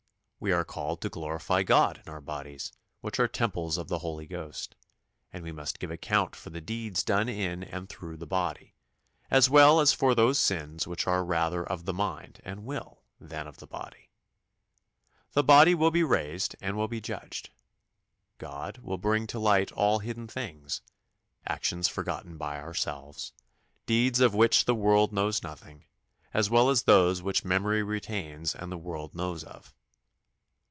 " We are called to glorify God in our bodies, which are temples of the Holy Ghost, and we must give account for the deeds done in and through the body, as well as for those sins which are rather of the mind and will than of the body. The body will be raised and will be judged. God will bring to light all hidden things actions forgotten by ourselves, deeds of which the world knows nothing, as well as those which memory retains and the world knows of.